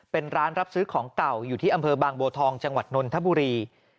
เป็นร้านรับซื้อของเก่าอยู่ที่อำเภอบางบัวทองจังหวัดนนทบุรี